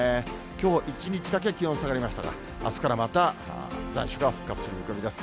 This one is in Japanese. きょう一日だけ気温下がりましたが、あすからまた残暑が復活する見込みです。